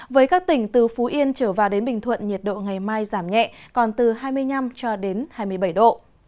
với các tỉnh từ phú yên trở vào đến bình thuận nhiệt độ ngày mai giảm nhẹ còn từ hai mươi năm cho đến hai mươi bảy độ